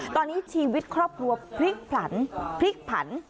ตอนนี้ชีวิตครอบครัวพลิกผลัน